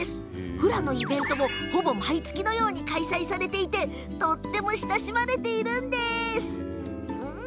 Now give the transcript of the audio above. フラのイベントもほぼ毎月のように開催されていてとっても親しまれているんです。